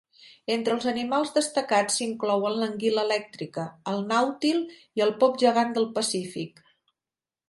Entre els animals destacats s'inclouen l'anguila elèctrica, el nàutil i el pop gegant del Pacífic.